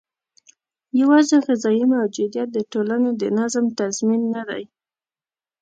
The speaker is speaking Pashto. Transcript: یوازې غذايي موجودیت د ټولنې د نظم تضمین نه دی.